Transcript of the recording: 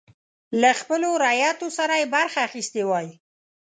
له خپلو رعیتو سره یې برخه اخیستې وای.